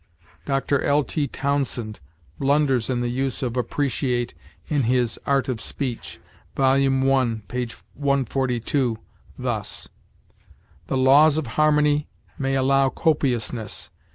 Dr. L. T. Townsend blunders in the use of appreciate in his "Art of Speech," vol. i, p. 142, thus: "The laws of harmony ... may allow copiousness